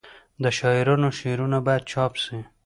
د شاعرانو شعرونه باید چاپ سي.